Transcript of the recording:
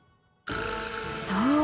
そう。